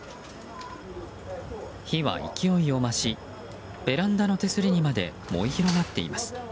火は勢いを増しベランダの手すりにまで燃え広がっています。